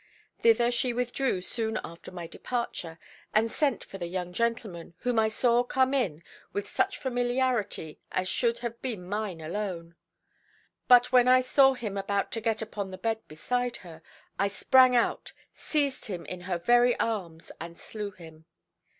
"Thither she withdrew soon after my departure, and sent for the young gentleman, whom I saw come in with such familiarity as should have been mine alone. But when I saw him about to get upon the bed beside her, I sprang out, seized him in her very arms, and slew him.